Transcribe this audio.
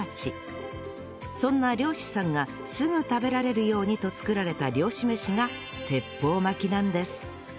そんな漁師さんがすぐ食べられるようにと作られた漁師飯が鉄砲巻きなんです